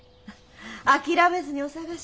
諦めずにお探し。